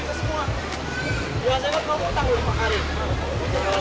jadi banyak anaknya